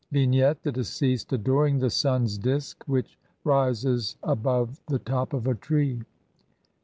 ] Vignette : The deceased adoring the sun's disk which rises above the top of a tree.